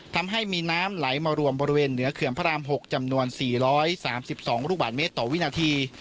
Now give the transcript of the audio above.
ทำให้มีน้ำไหลมารวมบริเวณเหนือเขื่อนพระราม๖จำนวน๔๓๒ลูกบาทเมตรต่อวินาที